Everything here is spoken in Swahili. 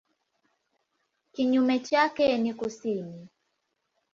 Kinyume chake ni kusini.